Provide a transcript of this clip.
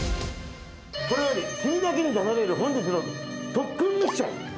これより君だけに出される本日の特訓ミッション。